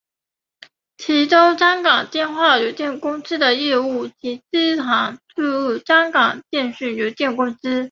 其中香港电话有限公司的业务及资产注入香港电讯有限公司。